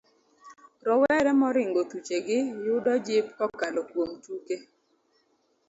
Rowere moringo thuchegi yudo jip kokalo kuom tuke.